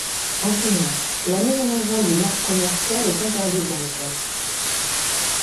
Enseignants, la mise en avant des marques commerciales est interdite dans l'école.